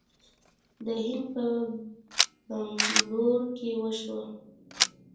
د هند په بنګلور کې وشوه